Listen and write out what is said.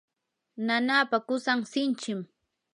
nanaapa qusan sinchim.